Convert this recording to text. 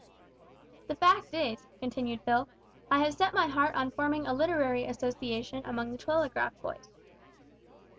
"The fact is," continued Phil, "I have set my heart on forming a literary association among the telegraph boys."